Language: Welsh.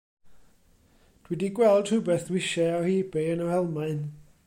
Dw i 'di gweld rhywbeth dw i eisiau ar ebay yn yr Almaen.